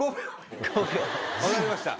分かりました。